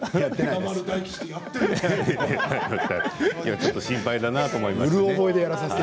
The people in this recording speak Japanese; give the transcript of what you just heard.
ちょっと心配だなと思って。